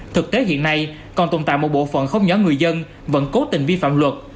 thực tế hiện nay còn tồn tại một bộ phận không nhỏ người dân vẫn cố tình vi phạm luật